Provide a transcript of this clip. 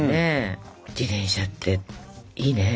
自転車っていいね。